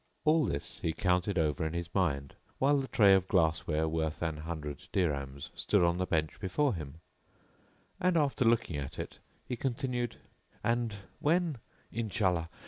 All this he counted over in his mind, while the tray of glass ware,: worth an hundred dirhams, stood on the bench before him, and, after looking at it, he continued, "And when, Inshallah!